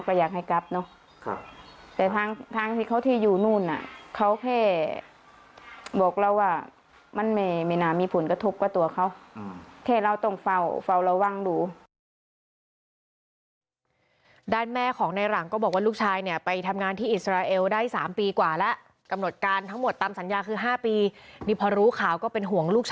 โอเคเราอยู่บ้านก็กังวลก็อยากให้เป็นห่วง